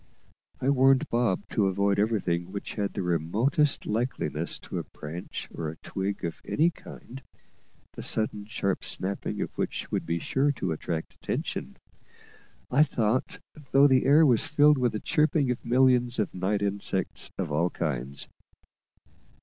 I warned Bob to avoid everything which had the remotest likeness to a branch or twig of any kind, the sudden sharp snapping of which would be sure to attract attention, I thought, though the air was filled with the chirping of millions of night insects of all kinds.